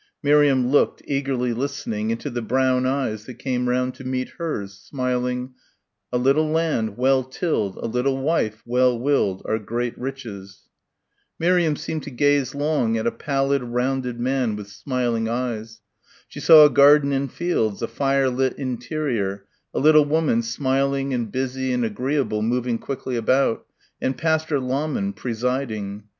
Miriam looked, eagerly listening, into the brown eyes that came round to meet hers, smiling: "A little land, well tilled, A little wife, well willed, Are great riches." Miriam seemed to gaze long at a pallid, rounded man with smiling eyes. She saw a garden and fields, a firelit interior, a little woman smiling and busy and agreeable moving quickly about ... and Pastor Lahmann presiding.